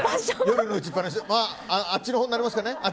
あっちのほうになりますかね？